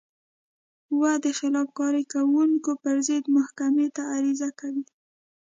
و د خلاف کارۍ کوونکو پر ضد محکمې ته عریضه کوي.